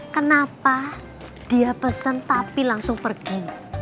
kenapa dia pesen tapi langsung pergi